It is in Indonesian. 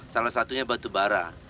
salah satunya batubara